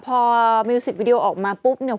พอมิวสิกวิดีโอออกมาปุ๊บเนี่ย